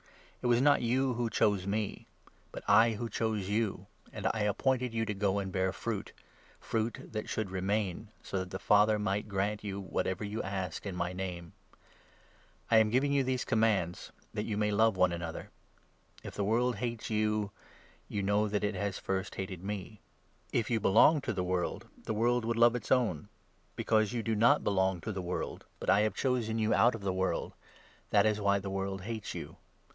It 16 was not you who chose me, but I who chose you, and I ap pointed you to go and bear fruit — fruit that should remain, so that the Father might grant you whatever you ask in my Name. The world ^ am &ivm§' vou these commands that you 17 and the Spirit may love one another. If the world hates 18 of Truth, you, you know that it has first hated me. If you 19 belonged to the world, the world would love its own. Be cause you do not belong to the world, but I have chosen you out of the world — that is why the world hates you.